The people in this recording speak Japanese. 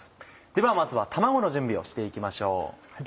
ではまずは卵の準備をして行きましょう。